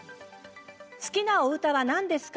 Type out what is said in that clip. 好きなお歌は何ですか？